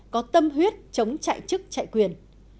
có tâm huyết chống chạy chức chạy quyền